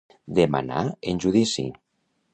Demanar en judici.